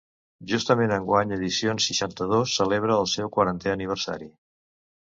Justament enguany Edicions seixanta-dos celebra el seu quarantè aniversari.